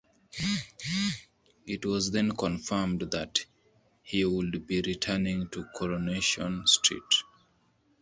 It was then confirmed that he would be returning to "Coronation Street".